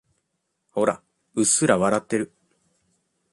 ほら、うっすら笑ってる。